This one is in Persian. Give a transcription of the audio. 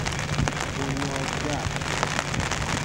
بنیاد گر